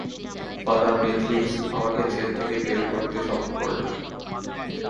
Father Mathews আমাকে জেল থেকে বের করতে সব করলেন।